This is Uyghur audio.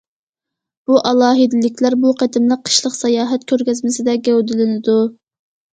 بۇ ئالاھىدىلىكلەر بۇ قېتىملىق قىشلىق ساياھەت كۆرگەزمىسىدە گەۋدىلىنىدۇ.